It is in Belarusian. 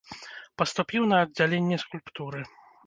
Паступіў на аддзяленне скульптуры.